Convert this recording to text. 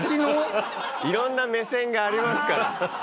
いろんな目線がありますから。